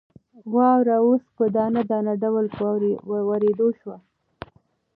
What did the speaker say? واوره اوس په دانه دانه ډول په اورېدو شوه.